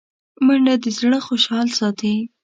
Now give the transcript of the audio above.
منډه د زړه خوشحال ساتي